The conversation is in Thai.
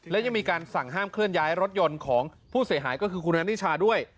และยังมีการสั่งห้ามเคลื่อนย้ายรถยนต์ของผู้เสียหายก็คือคุณอันนิชาด้วย